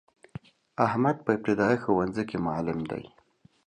احمد په ابتدایه ښونځی کی معلم دی.